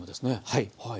はい。